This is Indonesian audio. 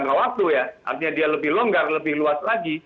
nggak waktu ya artinya dia lebih longgar lebih luas lagi